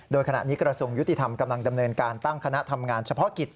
โดยขณะนี้กระทรวงยุติธรรมกำลังดำเนินการตั้งคณะทำงานเฉพาะกิจ